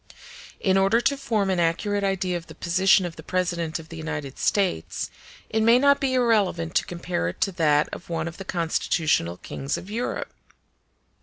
In order to form an accurate idea of the position of the President of the United States, it may not be irrelevant to compare it to that of one of the constitutional kings of Europe.